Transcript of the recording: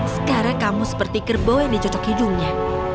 sekarang kamu seperti kerbau yang dicocok hidungnya